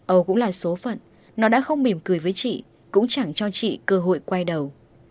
ông cũng là số phận nó đã không mỉm cười với chị cũng chẳng cho chị cơ hội quay đầu